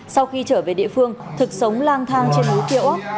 sau khi trở về địa phương thực sống lang thang trên núi phiêu ốc